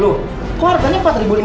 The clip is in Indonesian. loh kok harganya rp empat lima ratus